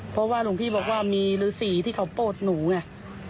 เพราะว่าหลวงพี่บอกว่ามีฤษีที่เขาโปรดหนูไง